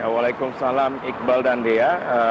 waalaikumsalam iqbal dan dea